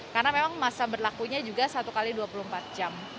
karena memang masa berlakunya juga satu x dua puluh empat jam